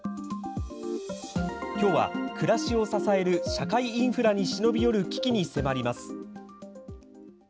きょうは暮らしを支える社会インフラに忍び寄る危機に迫ります。